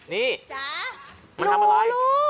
นี่จ๋ามันทำอะไรดูลูก